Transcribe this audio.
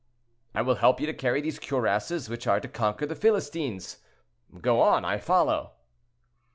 "I will help you to carry these cuirasses which are to conquer the Philistines. Go on, I follow."